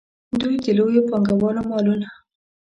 دوی د لویو پانګوالو مالونه.